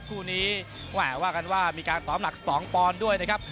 คู่นี้แหมว่ากันว่ามีการตอมหนัก๒ปอนด์ด้วยนะครับ